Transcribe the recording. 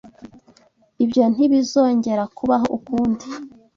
Ibyo ntibizongera kubaho ukundi?